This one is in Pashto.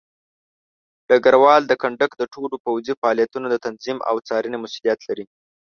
ډګروال د کندک د ټولو پوځي فعالیتونو د تنظیم او څارنې مسوولیت لري.